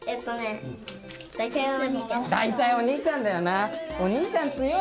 だいたいお兄ちゃんだよな。